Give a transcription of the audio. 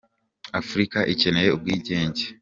Afurika ikeneye ubwigenge.